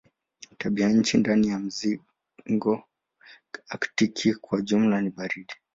Tabianchi ndani ya mzingo aktiki kwa jumla ni baridi.